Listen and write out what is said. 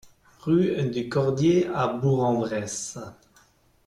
Rue du Cordier à Bourg-en-Bresse